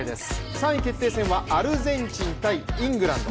３位決定戦はアルゼンチン×イングランド。